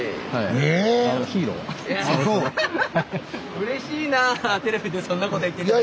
うれしいなテレビでそんなこと言って頂けたら。